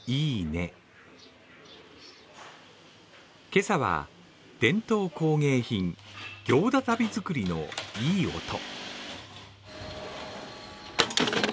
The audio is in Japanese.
今朝は伝統工芸品行田足袋づくりのいい音。